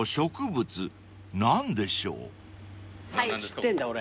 知ってんだ俺。